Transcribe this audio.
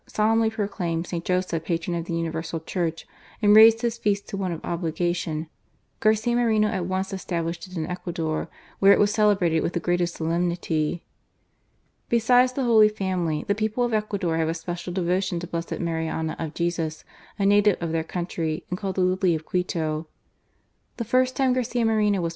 solemnly proclaimed St. Joseph Patron of the Universal Church, and raised his feast to one of obligation, Garcia Moreno at once established it in Ecuador, where it was celebrated with the greatest solemnity. Besides the Holy Family, the people of Ecuador have a special devotion to Blessed Marianna of Jesus, a native of their country, and called The Lily of Quito. The first time Garcia Moreno was GARCIA MOEENO.